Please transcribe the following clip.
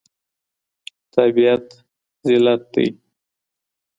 تابعيت ذلت دی.